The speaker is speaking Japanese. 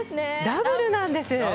ダブルなんです。